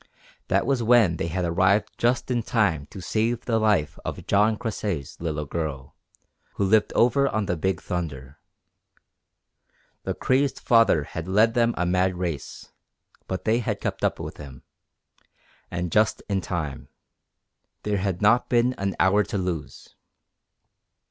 That was when they had arrived just in time to save the life of Jean Croisset's little girl, who lived over on the Big Thunder. The crazed father had led them a mad race, but they had kept up with him. And just in time. There had not been an hour to lose.